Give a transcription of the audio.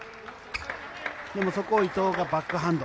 でもそこを伊藤がバックハンド。